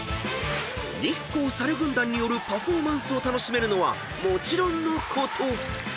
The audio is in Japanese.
［日光さる軍団によるパフォーマンスを楽しめるのはもちろんのこと］